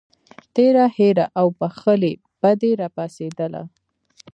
تېره هیره او بښلې بدي راپاڅېدله.